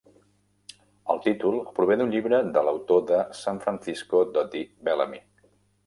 El títol prové d'un llibre de l'autor de San Francisco Dodie Bellamy.